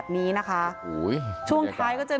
มีแต่เสียงตุ๊กแก่กลางคืนไม่กล้าเข้าห้องน้ำด้วยซ้ำ